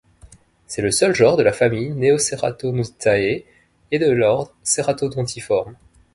C'est le seul genre de la famille Neoceratodontidae et de l'ordre Ceratodontiformes.